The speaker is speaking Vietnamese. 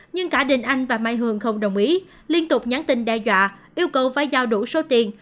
nhưng cả đình anh và mai hường không đồng ý liên tục nhắn tin đe dọa yêu cầu phải giao đủ số tiền